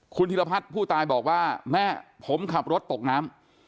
คุณธิรพัฒน์ผู้ตายบอกว่าแม่ผมขับรถตกน้ำ